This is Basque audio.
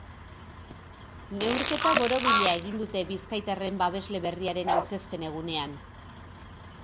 Neurketa borobila egon dute bizkitarren babesle berriaren aurkezpen egunean.